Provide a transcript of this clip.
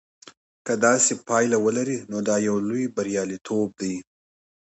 که داسې پایله ولري نو دا یو لوی بریالیتوب دی.